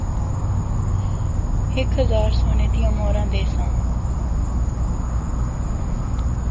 ہک ہزار سونے دیاں مُہراں دیساں۔